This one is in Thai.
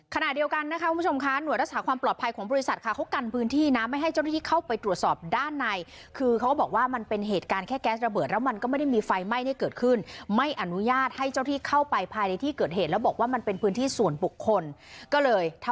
ขณะเดียวกันนะคะคุณผู้ชมค่ะหน่วยรักษาความปลอดภัยของบริษัทค่ะเขากันพื้นที่นะไม่ให้เจ้าหน้าที่เข้าไปตรวจสอบด้านในคือเขาก็บอกว่ามันเป็นเหตุการณ์แค่แก๊สระเบิดแล้วมันก็ไม่ได้มีไฟไหม้ได้เกิดขึ้นไม่อนุญาตให้เจ้าที่เข้าไปภายในที่เกิดเหตุแล้วบอกว่ามันเป็นพื้นที่ส่วนบุคคลก็เลยท